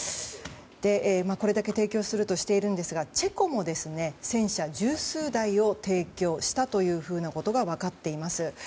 これだけ提供するとしているんですがチェコも戦車十数台を提供したということが分かっています。